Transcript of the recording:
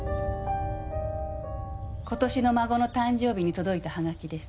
今年の孫の誕生日に届いたハガキです。